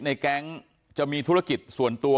ในแก๊งจะมีธุรกิจส่วนตัว